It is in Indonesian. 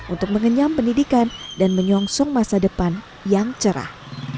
untuk mengenyam pendidikan dan menyongsong masa depan yang cerah